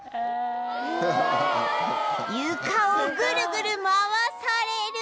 床をぐるぐる回される！